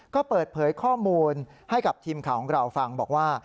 ก็เปิดเผยข้อมูลให้กับทีมข่าวของเราฟังบอกว่า